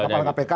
nah kepala kpk